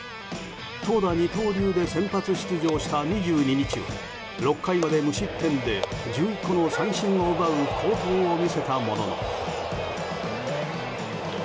投打二刀流で先発出場した２２日は６回まで無失点で１１個の三振を奪う好投を見せたものの。